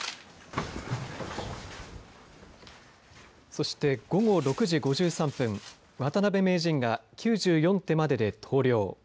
そして、午後６時５３分渡辺名人が９４手までで投了。